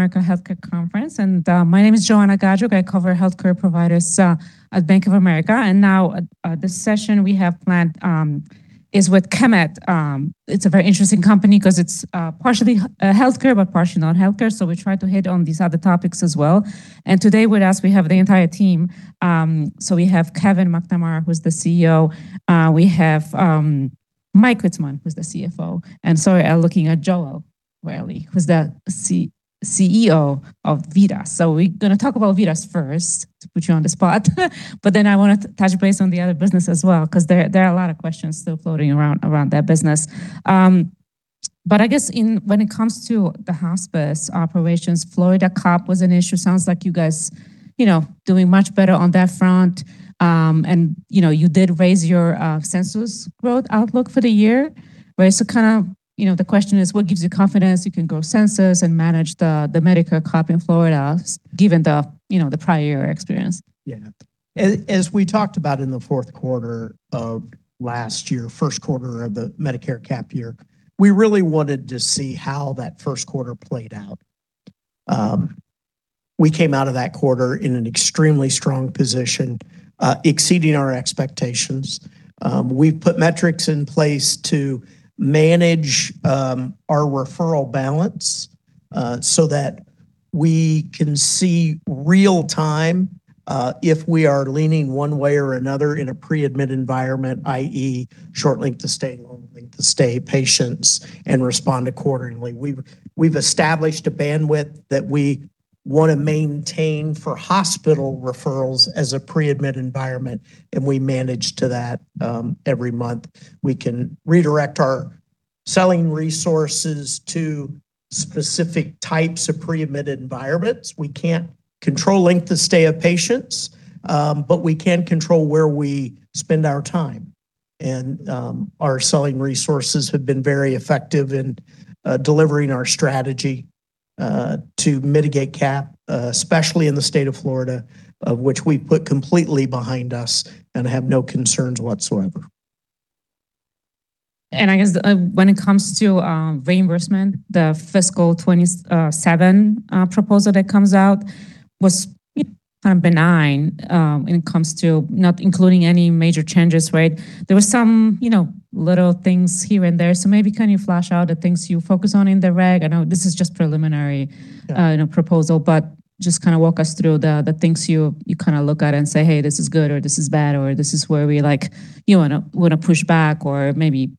America Healthcare Conference. My name is Joanna Gajuk. I cover healthcare providers at Bank of America. This session we have planned is with Chemed. It's a very interesting company 'cause it's partially healthcare, but partially not healthcare, so we try to hit on these other topics as well. Today with us, we have the entire team. We have Kevin McNamara, who's the CEO. We have Michael Witzeman, who's the CFO. Looking at Joel Wherley, who's the CEO of VITAS. We're gonna talk about VITAS first to put you on the spot. I wanna touch base on the other business as well, 'cause there are a lot of questions still floating around that business. I guess when it comes to the hospice operations, Florida cap was an issue. Sounds like you guys, you know, doing much better on that front. You know, you did raise your census growth outlook for the year. Kind of, you know, the question is: What gives you confidence you can grow census and manage the Medicare cap in Florida given the, you know, the prior experience? Yeah. As we talked about in the fourth quarter of last year, first quarter of the Medicare cap year, we really wanted to see how that first quarter played out. We came out of that quarter in an extremely strong position, exceeding our expectations. We've put metrics in place to manage our referral balance so that we can see real time if we are leaning one way or another in a pre-admit environment, i.e., short length to stay, long length to stay patients, and respond accordingly. We've established a bandwidth that we wanna maintain for hospital referrals as a pre-admit environment, and we manage to that every month. We can redirect our selling resources to specific types of pre-admit environments. We can't control length to stay of patients, but we can control where we spend our time. Our selling resources have been very effective in delivering our strategy to mitigate Cap, especially in the state of Florida, which we put completely behind us and have no concerns whatsoever. I guess, when it comes to reimbursement, the fiscal 2027 proposal that comes out was kind of benign, when it comes to not including any major changes, right? There were some, you know, little things here and there, so maybe can you flesh out the things you focus on in the reg? I know this is just preliminary. Yeah You know, proposal, just kinda walk us through the things you kinda look at and say, "Hey, this is good," or, "This is bad," or, "This is where we, like, you wanna push back or maybe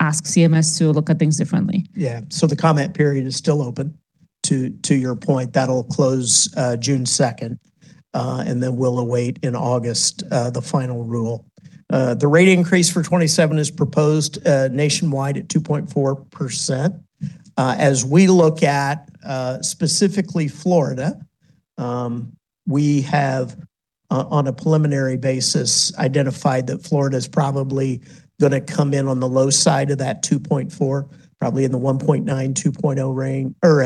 ask CMS to look at things differently. The comment period is still open. To, to your point, that'll close June second, and then we'll await in August the final rule. The rate increase for 2027 is proposed nationwide at 2.4%. As we look at specifically Florida, we have on a preliminary basis identified that Florida's probably gonna come in on the low side of that 2.4, probably in the 1.9%-2.0% range. Or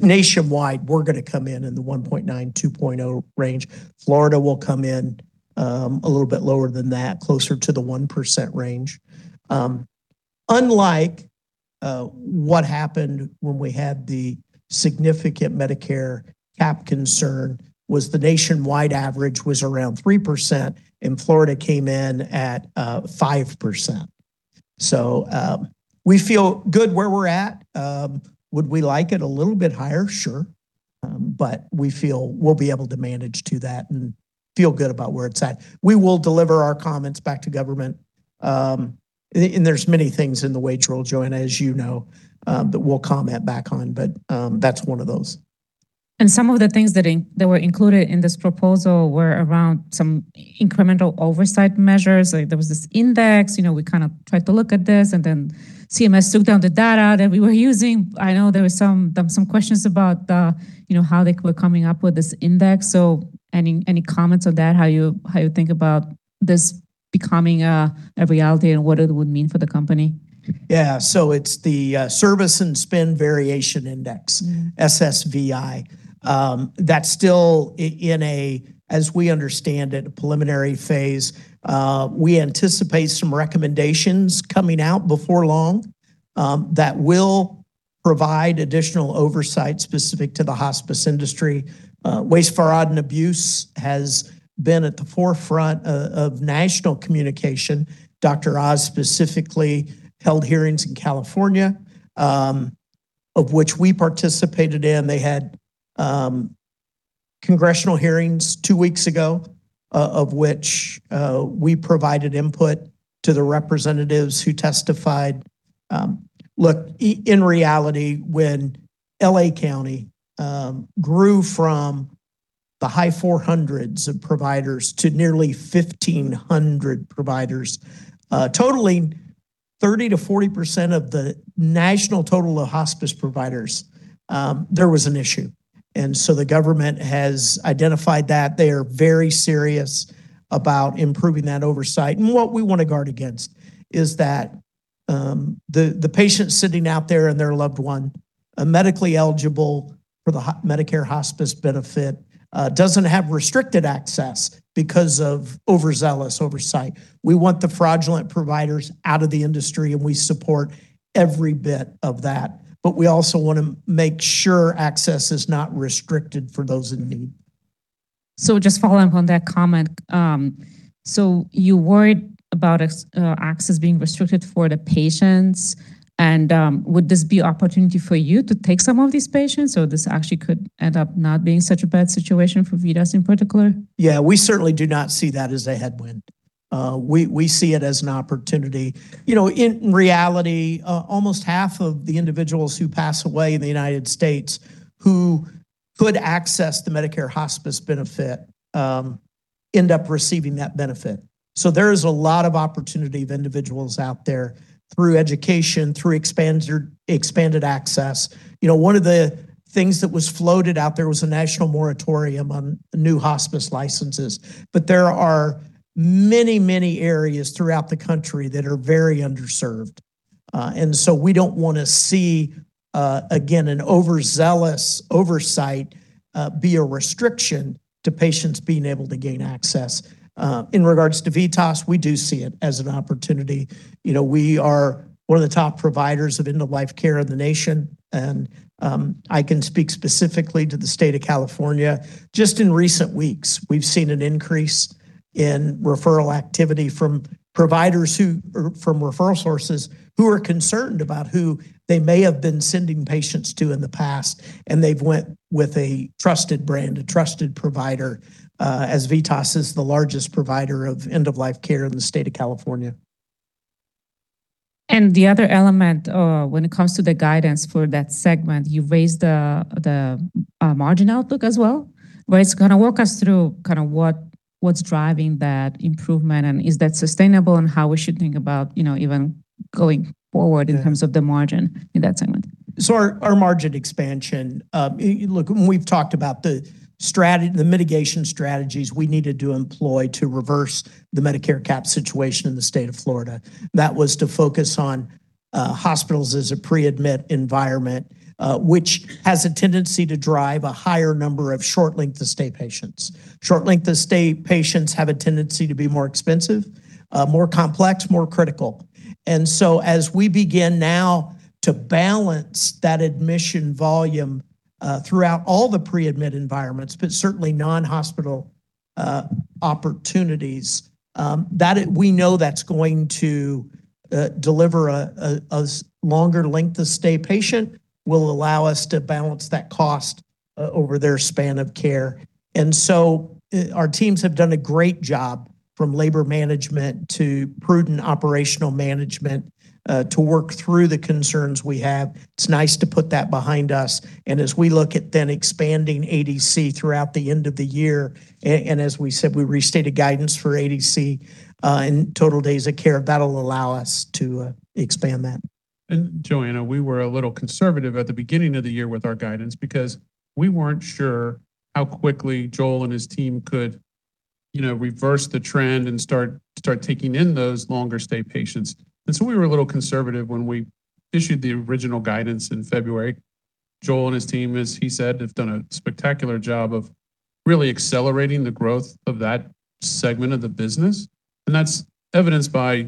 nationwide, we're gonna come in in the 1.9%-2.0% range. Florida will come in a little bit lower than that, closer to the 1% range. Unlike what happened when we had the significant Medicare cap concern, the nationwide average was around 3%, and Florida came in at 5%. We feel good where we're at. Would we like it a little bit higher? Sure. We feel we'll be able to manage to that and feel good about where it's at. We will deliver our comments back to government. And there's many things in the wage roll, Joanna, as you know, that we'll comment back on, that's one of those. Some of the things that were included in this proposal were around some incremental oversight measures. Like, there was this index. You know, we kind of tried to look at this, and then CMS took down the data that we were using. I know there were some questions about, you know, how they were coming up with this index. Any comments on that, how you think about this becoming a reality and what it would mean for the company? Yeah. it's the Service and Spending Variation Index. SSVI. That's still in a, as we understand it, a preliminary phase. We anticipate some recommendations coming out before long that will provide additional oversight specific to the hospice industry. Waste, fraud, and abuse has been at the forefront of national communication. Dr. Oz specifically held hearings in California, of which we participated in. They had congressional hearings two weeks ago, of which we provided input to the representatives who testified. Look, in reality, when L.A. County grew from the high four hundreds of providers to nearly 1,500 providers, totaling 30%-40% of the national total of hospice providers, there was an issue. The government has identified that. They are very serious about improving that oversight. What we wanna guard against is that the patient sitting out there and their loved one, medically eligible for the Medicare hospice benefit, doesn't have restricted access because of overzealous oversight. We want the fraudulent providers out of the industry, and we support every bit of that. We also wanna make sure access is not restricted for those in need. Just following up on that comment, so you worried about access being restricted for the patients and, would this be opportunity for you to take some of these patients, or this actually could end up not being such a bad situation for VITAS in particular? Yeah, we certainly do not see that as a headwind. We see it as an opportunity. You know, in reality, almost half of the individuals who pass away in the United States. who could access the Medicare hospice benefit, end up receiving that benefit. There is a lot of opportunity of individuals out there through education, through expanded access. You know, one of the things that was floated out there was a national moratorium on new hospice licenses. There are many areas throughout the country that are very underserved. We don't wanna see, again, an overzealous oversight, be a restriction to patients being able to gain access. In regards to VITAS, we do see it as an opportunity. You know, we are one of the top providers of end-of-life care in the nation, and I can speak specifically to the state of California. Just in recent weeks, we've seen an increase in referral activity from providers who, or from referral sources who are concerned about who they may have been sending patients to in the past, and they've went with a trusted brand, a trusted provider, as VITAS is the largest provider of end-of-life care in the state of California. The other element, when it comes to the guidance for that segment, you raised the margin outlook as well. It's gonna walk us through kinda what's driving that improvement, and is that sustainable, and how we should think about, you know, even going forward. Yeah in terms of the margin in that segment. Our margin expansion, look, when we've talked about the mitigation strategies we needed to employ to reverse the Medicare cap situation in the state of Florida, that was to focus on hospitals as a pre-admit environment, which has a tendency to drive a higher number of short length of stay patients. Short length of stay patients have a tendency to be more expensive, more complex, more critical. As we begin now to balance that admission volume, throughout all the pre-admit environments, but certainly non-hospital opportunities, we know that's going to deliver a longer length of stay patient, will allow us to balance that cost over their span of care. Our teams have done a great job, from labor management to prudent operational management, to work through the concerns we have. It's nice to put that behind us. As we look at then expanding ADC throughout the end of the year, and as we said, we restated guidance for ADC, in total days of care, that'll allow us to expand that. Joanna, we were a little conservative at the beginning of the year with our guidance because we weren't sure how quickly Joel and his team could, you know, reverse the trend and start taking in those longer stay patients. So we were a little conservative when we issued the original guidance in February. Joel and his team, as he said, have done a spectacular job of really accelerating the growth of that segment of the business. That's evidenced by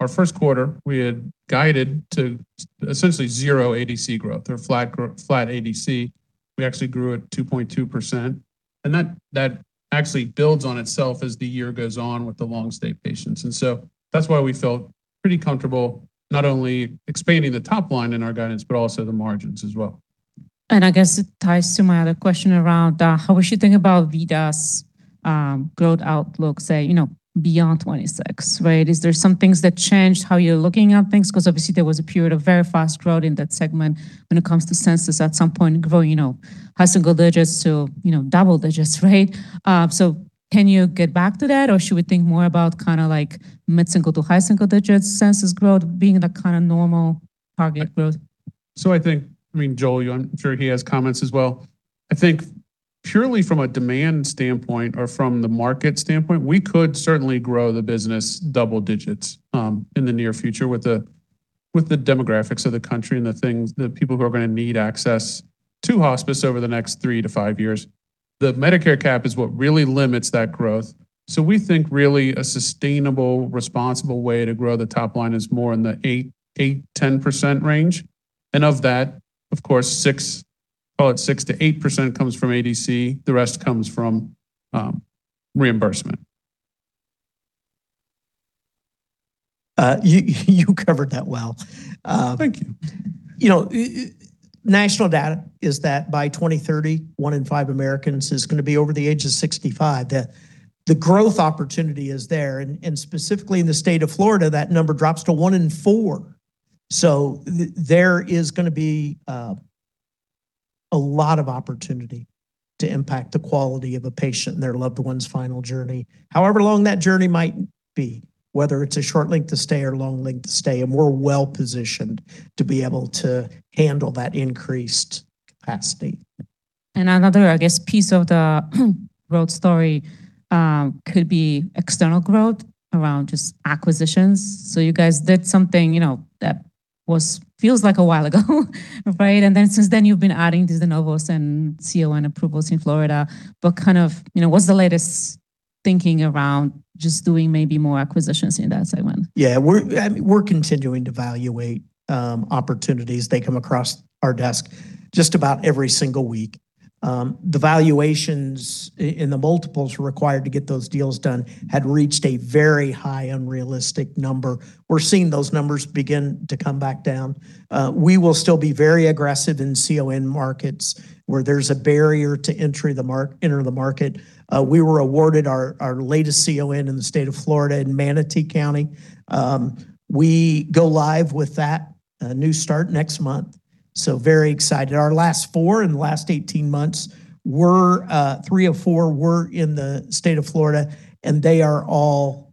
our first quarter, we had guided to essentially zero ADC growth or flat ADC. We actually grew at 2.2%. That actually builds on itself as the year goes on with the long stay patients. So that's why we felt pretty comfortable not only expanding the top line in our guidance, but also the margins as well. I guess it ties to my other question around how we should think about VITAS' growth outlook, say, you know, beyond 26? Is there some things that changed how you're looking at things? 'Cause obviously, there was a period of very fast growth in that segment when it comes to census at some point growing, you know, high single digits to, you know, double digits. Can you get back to that, or should we think more about kinda like mid-single to high single digits census growth being the kinda normal target growth? I think, I mean, Joel, I'm sure he has comments as well. I think purely from a demand standpoint or from the market standpoint, we could certainly grow the business double digits in the near future with the, with the demographics of the country and the things, the people who are gonna need access to hospice over the next three to five years. The Medicare cap is what really limits that growth. We think really a sustainable, responsible way to grow the top line is more in the 8%-10% range. Of that, of course, 6%-8% comes from ADC, the rest comes from reimbursement. You covered that well. Thank you. You know, national data is that by 2030, one in five Americans is gonna be over the age of 65. The growth opportunity is there, and specifically in the state of Florida, that number drops to one in four. There is gonna be a lot of opportunity to impact the quality of a patient and their loved one's final journey. Long that journey might be, whether it's a short length of stay or long length of stay, and we're well-positioned to be able to handle that increased capacity. Another, I guess, piece of the growth story, could be external growth around just acquisitions. You guys did something, you know, feels like a while ago, right? Since then you've been adding these de novo and CON approvals in Florida. Kind of, you know, what's the latest thinking around just doing maybe more acquisitions in that segment? Yeah. We're, I mean, we're continuing to evaluate opportunities. They come across our desk just about every single week. The valuations and the multiples required to get those deals done had reached a very high, unrealistic number. We're seeing those numbers begin to come back down. We will still be very aggressive in CON markets where there's a barrier to enter the market. We were awarded our latest CON in the state of Florida in Manatee County. We go live with that new start next month, so very excited. Our last four in the last 18 months were three or four in the state of Florida, and they are all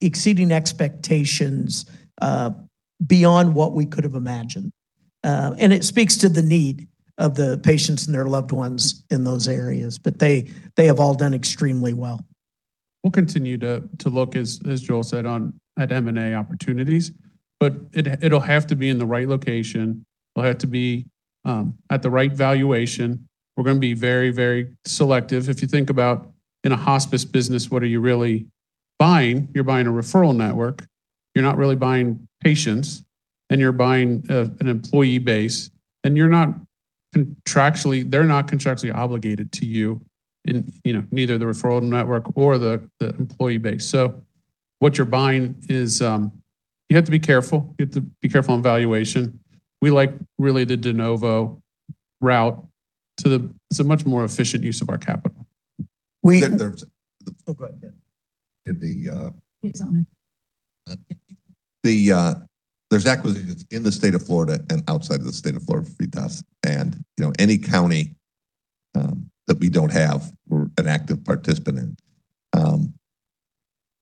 exceeding expectations beyond what we could have imagined. It speaks to the need of the patients and their loved ones in those areas. They have all done extremely well. It'll continue to look, as Joel said, at M&A opportunities, it'll have to be in the right location. It'll have to be at the right valuation. We're gonna be very selective. If you think about in a hospice business, what are you really buying? You're buying a referral network. You're not really buying patients, you're buying an employee base, they're not contractually obligated to you in, you know, neither the referral network or the employee base. What you're buying is, you have to be careful. You have to be careful on valuation. We like really the de novo route. It's a much more efficient use of our capital. We- There, there's- Oh, go ahead. In the, uh- It's on. There's acquisitions in the state of Florida and outside of the state of Florida for VITAS and, you know, any county that we don't have, we're an active participant in.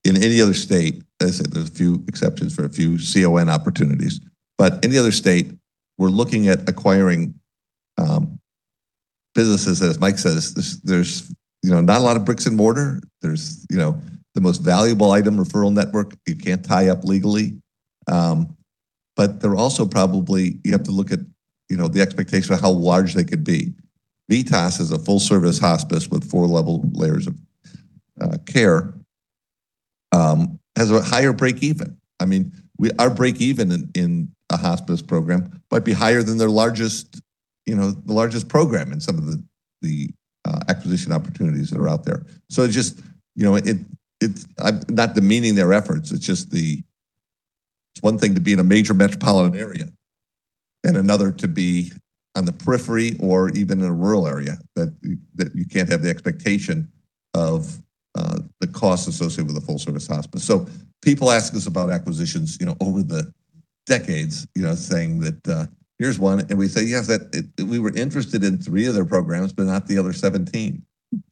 In any other state, as there's a few exceptions for a few CON opportunities, but any other state, we're looking at acquiring businesses that, as Mike says, there's, you know, not a lot of bricks and mortar. There's, you know, the most valuable item referral network you can't tie up legally. They're also, you have to look at, you know, the expectation of how large they could be. VITAS is a full-service hospice with four level layers of care, has a higher break even. I mean, we, our break even in a hospice program might be higher than their largest, you know, the largest program in some of the acquisition opportunities that are out there. Just, you know, it's. I'm not demeaning their efforts. It's just one thing to be in a major metropolitan area and another to be on the periphery or even in a rural area that you can't have the expectation of the costs associated with a full-service hospice. People ask us about acquisitions, you know, over the decades, you know, saying that, "Here's one." We say, "Yes, that We were interested in three of their programs, but not the other 17."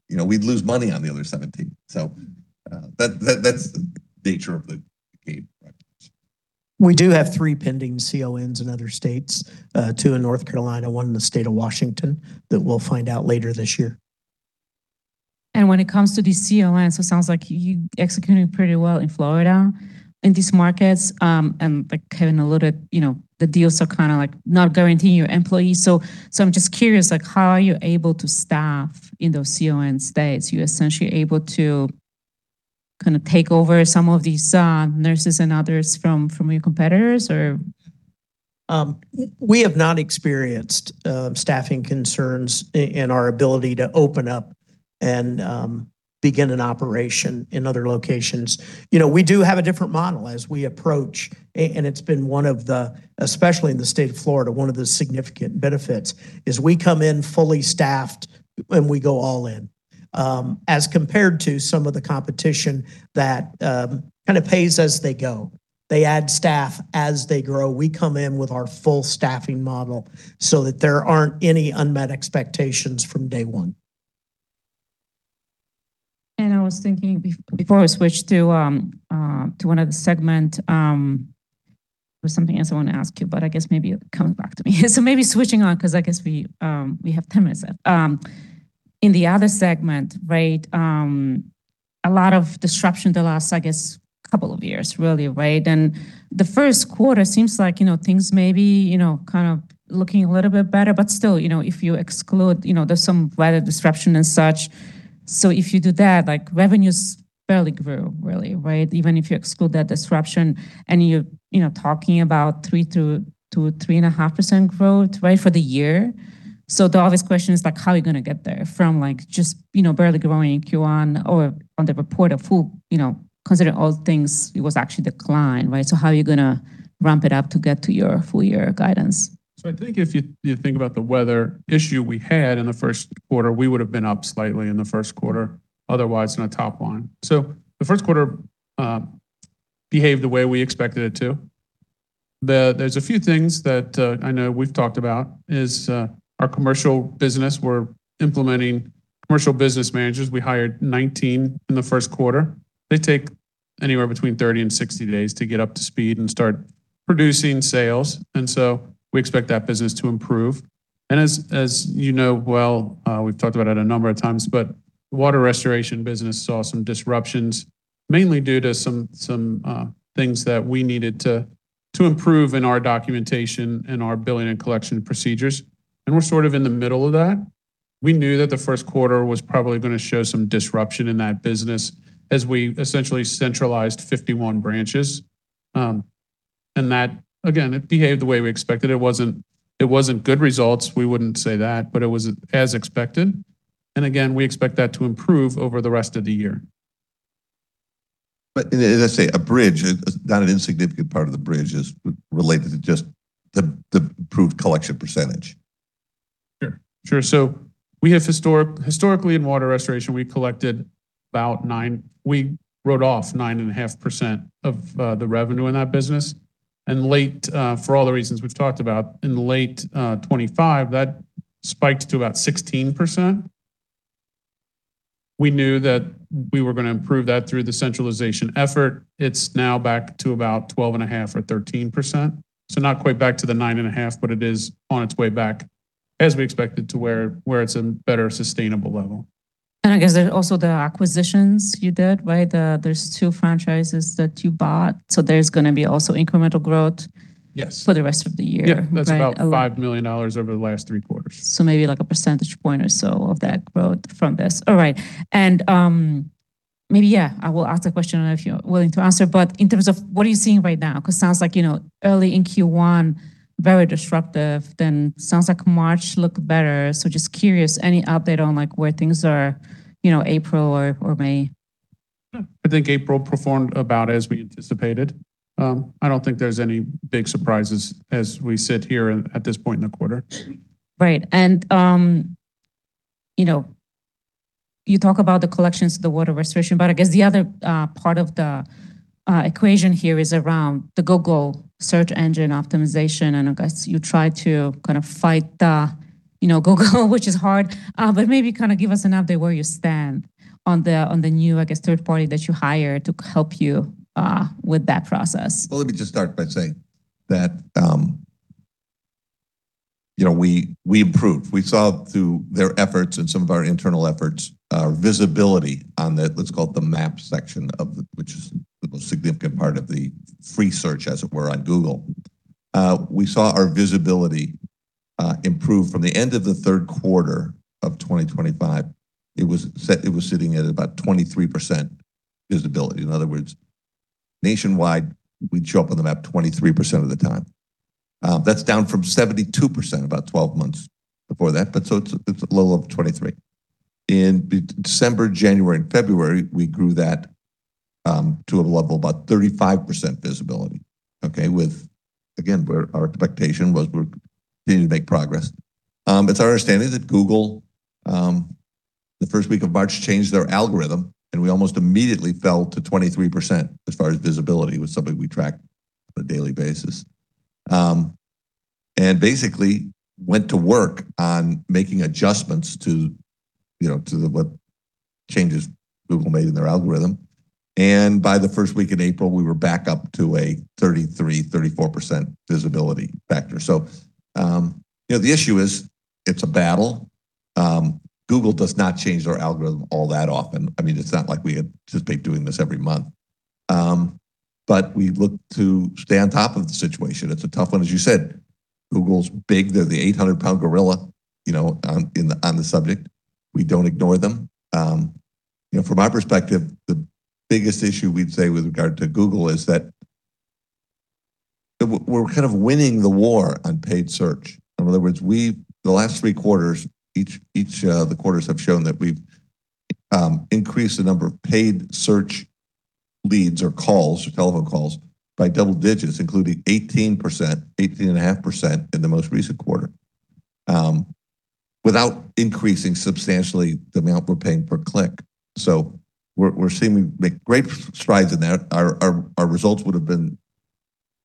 You know, we'd lose money on the other 17. That's the nature of the game. We do have three pending CONs in other states, two in North Carolina, one in the state of Washington, that we'll find out later this year. When it comes to these CONs, it sounds like you executing pretty well in Florida, in these markets, and like Kevin alluded, you know, the deals are kinda like not guaranteeing you employees. I'm just curious, like how are you able to staff in those CON states? You're essentially able to kinda take over some of these nurses and others from your competitors or? We have not experienced staffing concerns in our ability to open up and begin an operation in other locations. You know, we do have a different model as we approach and it's been one of the, especially in the state of Florida, one of the significant benefits is we come in fully staffed and we go all in. As compared to some of the competition that kind of pays as they go. They add staff as they grow. We come in with our full staffing model so that there aren't any unmet expectations from day one. I was thinking before we switch to one of the segment, there was something else I wanna ask you, but I guess maybe it will come back to me. Maybe switching on, 'cause I guess we have 10 minutes left. In the other segment, right, a lot of disruption the last, I guess, couple of years really, right? The first quarter seems like, you know, things may be, you know, kind of looking a little bit better, but still, you know, if you exclude, you know, there's some weather disruption and such. If you do that, like revenues barely grew really, right? Even if you exclude that disruption and you're, you know, talking about 3%-3.5% growth, right, for the year. The obvious question is like, how are you gonna get there from like just, you know, barely growing in Q1 or on the report of full, you know, considering all the things, it was actually decline, right? How are you gonna ramp it up to get to your full year guidance? I think if you think about the weather issue we had in the first quarter, we would've been up slightly in the first quarter, otherwise in the top line. The first quarter behaved the way we expected it to. There's a few things that I know we've talked about is our commercial business. We're implementing commercial business managers. We hired 19 in the first quarter. They take anywhere between 30 and 60 days to get up to speed and start producing sales. We expect that business to improve. As you know well, we've talked about it a number of times, but the water restoration business saw some disruptions, mainly due to some things that we needed to improve in our documentation and our billing and collection procedures. We're sort of in the middle of that. We knew that the first quarter was probably gonna show some disruption in that business as we essentially centralized 51 branches. That again, it behaved the way we expected. It wasn't good results, we wouldn't say that, but it was as expected. Again, we expect that to improve over the rest of the year. As I say, a bridge, not an insignificant part of the bridge is related to just the improved collection percentage. Sure. Sure. Historically in water restoration, we wrote off 9.5% of the revenue in that business. Late, for all the reasons we've talked about, in late 2025, that spiked to about 16%. We knew that we were gonna improve that through the centralization effort. It's now back to about 12.5% or 13%. Not quite back to the 9.5, but it is on its way back, as we expected, to where it's a better sustainable level. I guess there's also the acquisitions you did, right? There's two franchises that you bought, so there's gonna be also incremental growth. Yes for the rest of the year. Yeah. Right? That's about $5 million over the last three quarters. Maybe like a percentage point or so of that growth from this. All right. Maybe I will ask a question, I don't know if you're willing to answer, but in terms of what are you seeing right now? Sounds like, you know, early in Q1, very disruptive, then sounds like March looked better. Just curious, any update on like where things are, you know, April or May? I think April performed about as we anticipated. I don't think there's any big surprises as we sit here at this point in the quarter. Right. You know, you talk about the collections, the water restoration, I guess the other part of the equation here is around the Google search engine optimization. I guess you try to kind of fight the, you know, Google which is hard. Maybe kind of give us an update where you stand on the new, I guess, third party that you hired to help you with that process. Well, let me just start by saying that, you know, we improved. We saw through their efforts and some of our internal efforts, visibility on the, let's call it the map section, which is the most significant part of the free search, as it were, on Google. We saw our visibility improve from the end of the third quarter of 2025. It was sitting at about 23% visibility. In other words, nationwide, we'd show up on the map 23% of the time. That's down from 72% about 12 months before that, but so it's a little over 23. In December, January, and February, we grew that to a level of about 35% visibility. With again, where our expectation was we're continuing to make progress. It's our understanding that Google, the first week of March changed their algorithm, and we almost immediately fell to 23% as far as visibility, which is something we track on a daily basis. Basically went to work on making adjustments to, you know, what changes Google made in their algorithm. By the first week in April, we were back up to a 33%-34% visibility factor. You know, the issue is it's a battle. Google does not change their algorithm all that often. I mean, it's not like we anticipate doing this every month. We look to stay on top of the situation. It's a tough one. As you said, Google's big. They're the 800 pound gorilla, you know, on the subject. We don't ignore them. You know, from our perspective, the biggest issue we'd say with regard to Google is that we're kind of winning the war on paid search. In other words, the last three quarters, the quarters have shown that we've increased the number of paid search leads or calls or telephone calls by double digits, including 18%, 18.5% in the most recent quarter, without increasing substantially the amount we're paying per click. We're seeming to make great strides in that. Our results would have been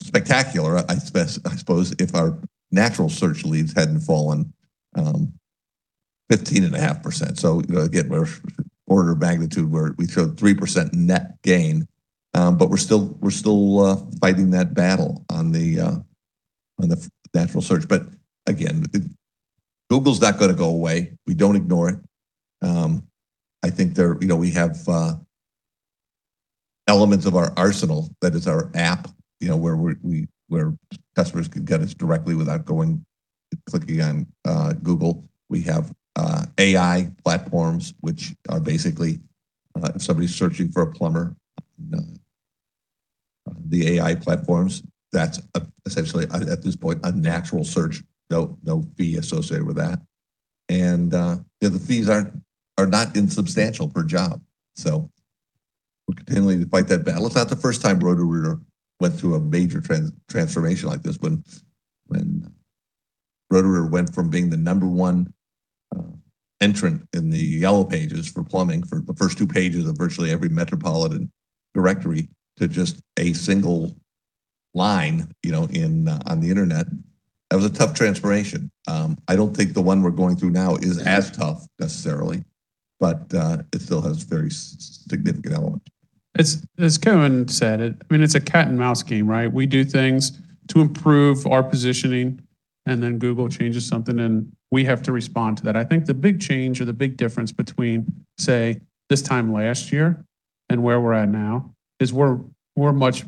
spectacular, I suppose, if our natural search leads hadn't fallen 15.5%. Again, we're order of magnitude where we showed 3% net gain, but we're still fighting that battle on the natural search. Again, Google's not gonna go away. We don't ignore it. I think there, you know, we have elements of our arsenal. That is our app, you know, where we're where customers can get us directly without going, clicking on Google. We have AI platforms, which are basically, if somebody's searching for a plumber on the AI platforms, that's essentially at this point, a natural search. No, no fee associated with that. You know, the fees aren't, are not insubstantial per job. We're continuing to fight that battle. It's not the first time Roto-Rooter went through a major transformation like this. When Roto-Rooter went from being the number one entrant in the Yellow Pages for plumbing for the first two pages of virtually every metropolitan directory to just a single line, you know, on the internet, that was a tough transformation. I don't think the one we're going through now is as tough necessarily, but it still has very significant elements As Kevin said, I mean, it's a cat and mouse game, right? We do things to improve our positioning, then Google changes something, and we have to respond to that. I think the big change or the big difference between, say, this time last year and where we're at now is we're much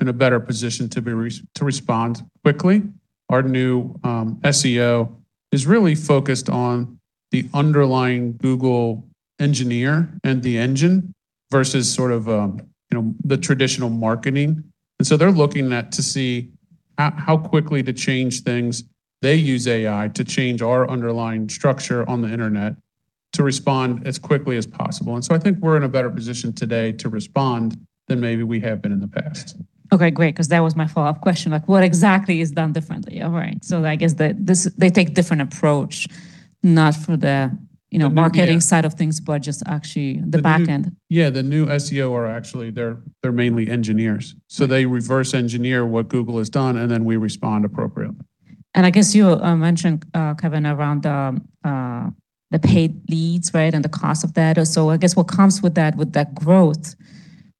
in a better position to respond quickly. Our new SEO is really focused on the underlying Google engineer and the engine versus sort of, you know, the traditional marketing. They're looking at to see how quickly to change things. They use AI to change our underlying structure on the internet to respond as quickly as possible. I think we're in a better position today to respond than maybe we have been in the past. Okay, great, 'cause that was my follow-up question. Like, what exactly is done differently? All right. I guess they take different approach. Not for the marketing side of things, but just actually the back end. Yeah, the new SEO are actually they're mainly engineers. They reverse engineer what Google has done, and then we respond appropriately. I guess you mentioned Kevin, around the paid leads, right? The cost of that. I guess what comes with that, with that growth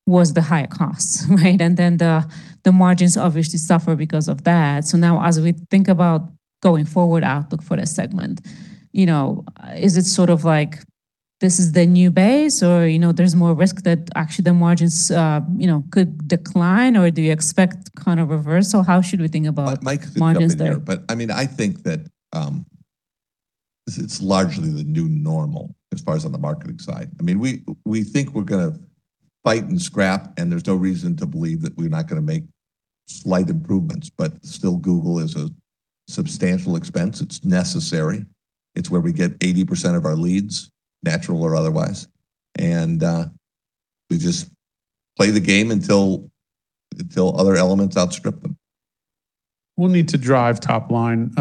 was the higher costs, right? The margins obviously suffer because of that. As we think about going forward outlook for that segment, you know, is it sort of like this is the new base or, you know, there's more risk that actually the margins, you know, could decline? Do you expect kind of reversal? Mike could jump in here. I mean, I think that this is largely the new normal as far as on the marketing side. I mean, we think we're gonna fight and scrap, and there's no reason to believe that we're not gonna make slight improvements. Still, Google is a substantial expense. It's necessary. It's where we get 80% of our leads, natural or otherwise. We just play the game until other elements outstrip them. We'll need to drive top line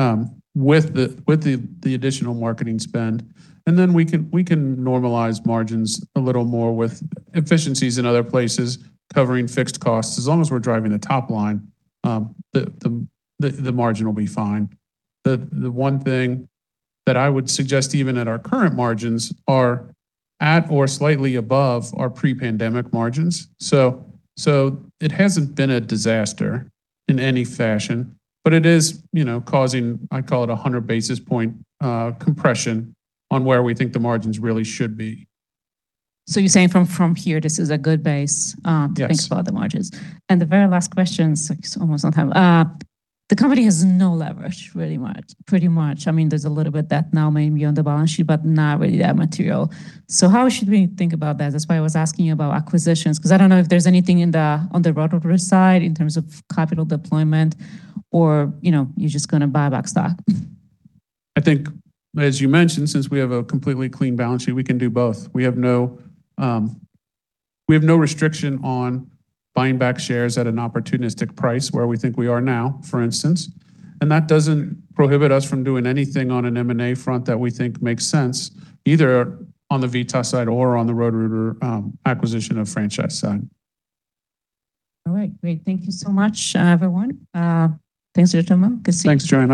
with the additional marketing spend. We can normalize margins a little more with efficiencies in other places, covering fixed costs. As long as we're driving the top line, the margin will be fine. The one thing that I would suggest, even at our current margins, are at or slightly above our pre-pandemic margins. It hasn't been a disaster in any fashion, but it is, you know, causing, I'd call it 100 basis point compression on where we think the margins really should be. You're saying from here, this is a good base? Yes To think about the margins. The very last question, so it's almost on time. The company has no leverage very much, pretty much. I mean, there's a little bit debt now maybe on the balance sheet, but not really that material. How should we think about that? That's why I was asking you about acquisitions, because I don't know if there's anything in the, on the Roto-Rooter side in terms of capital deployment or, you know, you're just gonna buy back stock. I think as you mentioned, since we have a completely clean balance sheet, we can do both. We have no, we have no restriction on buying back shares at an opportunistic price where we think we are now, for instance. That doesn't prohibit us from doing anything on an M&A front that we think makes sense, either on the VITAS side or on the Roto-Rooter, acquisition of franchise side. All right. Great. Thank you so much, everyone. Thanks for your time. I appreciate it. Thanks, Joanna.